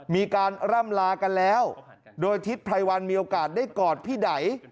มีการร่ำลากันแล้วโดยทิศไพรวันมีโอกาสได้กอดพี่ได